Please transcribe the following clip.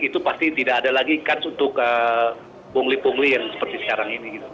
itu pasti tidak ada lagi ikat untuk bungli bungli yang seperti sekarang ini